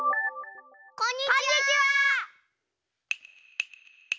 こんにちは！